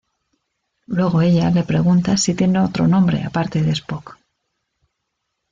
Luego ella le pregunta si tiene otro nombre aparte de Spock.